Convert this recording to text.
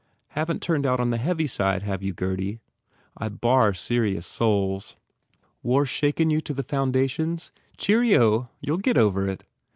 "Haven t turned out on the heavy side, have you, Gurdy? I bar serious souls. War shaken you to the 133 THE FAIR REWARDS foundations? Cheeryo ! You ll get over it."